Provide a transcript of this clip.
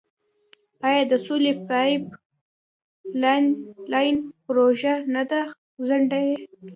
آیا د سولې پایپ لاین پروژه نه ده ځنډیدلې؟